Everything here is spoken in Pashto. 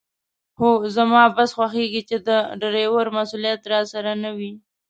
خو زما بس خوښېږي چې د ډریور مسوولیت راسره نه وي.